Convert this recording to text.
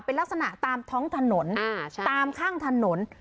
เป็นลักษณะตามท้องถนนตามข้างถนน